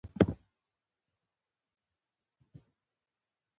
بامیان د افغانستان د ټولنې لپاره یو خورا بنسټيز رول لري.